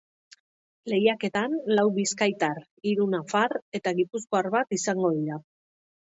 Lehiaketan lau bizkaitar, hiru nafar eta gipuzkoar bat izango dira.